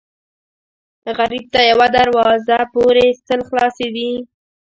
غریب ته یوه دروازه پورې سل خلاصې دي